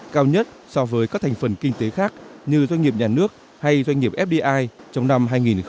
cao nhất so với các thành phần kinh tế khác như doanh nghiệp nhà nước hay doanh nghiệp fdi trong năm hai nghìn một mươi tám